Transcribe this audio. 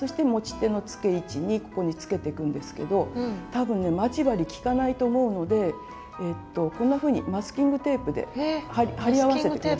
そして持ち手のつけ位置にここにつけていくんですけど多分ね待ち針きかないと思うのでこんなふうにマスキングテープで貼り合わせて下さい。